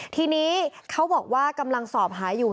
ทีนี้เขาบอกว่ากำลังสอบหาอยู่